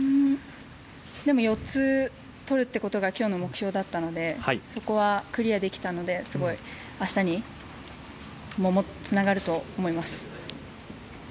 ４つ取るということが今日の目標だったのでそこはクリアできたので、明日につながると思います。